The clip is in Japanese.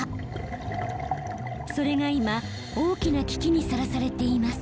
それが今大きな危機にさらされています。